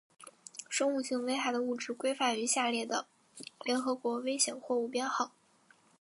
生物性危害的物质规范于下列的联合国危险货物编号